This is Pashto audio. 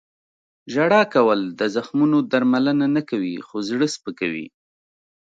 • ژړا کول د زخمونو درملنه نه کوي، خو زړه سپکوي.